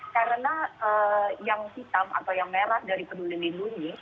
karena yang hitam atau yang merah dari peduli lindungi